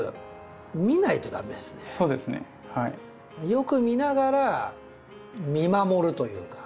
よく見ながら見守るというか。